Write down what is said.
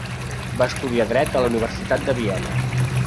Va estudiar dret a la Universitat de Viena.